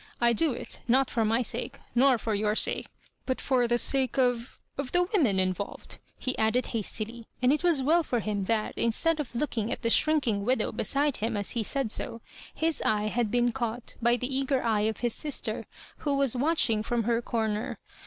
I do it, not for my sake, nor for your sake, but for the sake of— of the women involved," he added hastily ; and it was well for him that, instead of looking at the shrinking widow beside him as he said so, his eye had been caught by the eager eye of his sister, who was watching from her cor • ner.